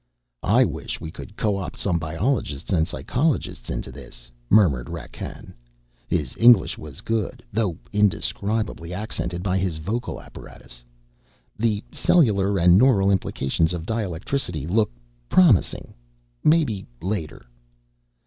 "I wish we could co opt some biologists and psychologists into this," murmured Rakkan. His English was good, though indescribably accented by his vocal apparatus. "The cellular and neural implications of dielectricity look promising. Maybe later."